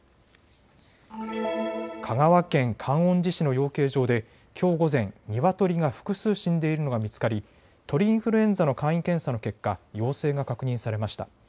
香川県観音寺市の養鶏場できょう午前、ニワトリが複数死んでいるのが見つかり鳥インフルエンザの簡易検査の結果、陽性が確認されました。